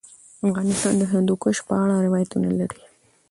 افغانستان د هندوکش په اړه روایتونه لري.